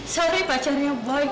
sorry pacarnya boy